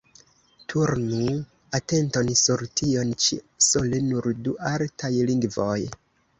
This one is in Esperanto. Turnu atenton sur tion ĉi: sole nur du artaj lingvoj.